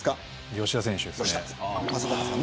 吉田選手です。